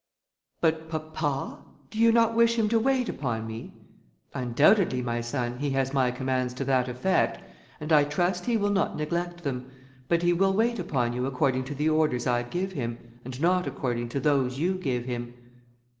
"But, papa, do you not wish him to wait upon me?" "Undoubtedly, my son, he has my commands to that effect, and I trust he will not neglect them; but he will wait upon you according to the orders I give him, and not according to those you give him."